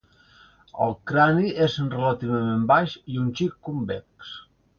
El crani és relativament baix i un xic convex.